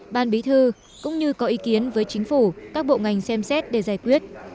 ban bí thư cũng như có ý kiến với chính phủ các bộ ngành xem xét để giải quyết